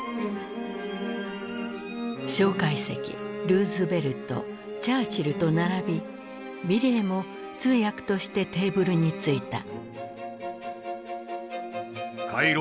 介石ルーズベルトチャーチルと並び美齢も通訳としてテーブルに着いた。